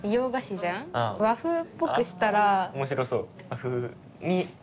面白そう！